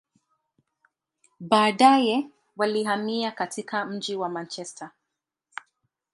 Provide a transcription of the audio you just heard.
Baadaye, walihamia katika mji wa Manchester.